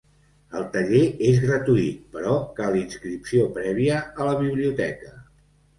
El taller és gratuït però cal inscripció prèvia a la biblioteca.